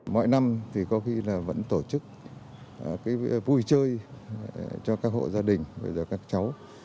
mọi năm thì có khi là vẫn tổ chức cái vui chơi cho các hộ gia đình và cho các cháu